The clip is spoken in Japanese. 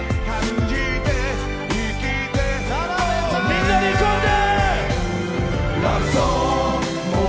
みんなでいこうぜ！